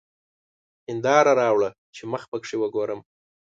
هېنداره راوړه چي مخ پکښې وګورم!